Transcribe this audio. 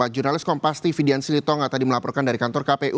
jurnalis kompas tv dian silitonga tadi melaporkan dari kantor kpu